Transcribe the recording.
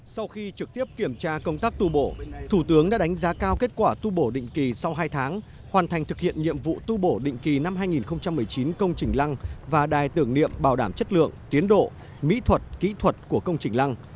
sau khi trực tiếp kiểm tra công tác tu bổ thủ tướng đã đánh giá cao kết quả tu bổ định kỳ sau hai tháng hoàn thành thực hiện nhiệm vụ tu bổ định kỳ năm hai nghìn một mươi chín công trình lăng và đài tưởng niệm bảo đảm chất lượng tiến độ mỹ thuật kỹ thuật của công trình lăng